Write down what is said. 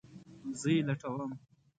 زه یی لټوم